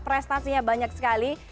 prestasinya banyak sekali